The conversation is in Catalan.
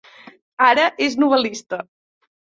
Ara és novel·lista.